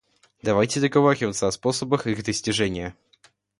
Давайте договариваться о способах их достижения.